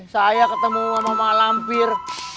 saya ketemu sama malampir